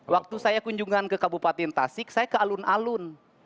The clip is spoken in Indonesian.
waktu saya kunjungan ke kabupaten tasik saya ke alun alun